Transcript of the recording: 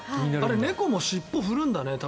猫も尻尾振るんだね。